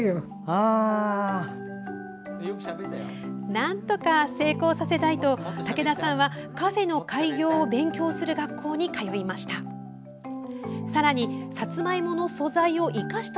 なんとか成功させたいと武田さんは、カフェの開業を勉強する学校に通いました。